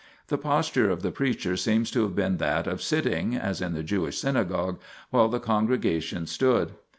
1 The posture of the preacher seems to have been that of sitting (as in the Jewish synagogue), while the congregation stood.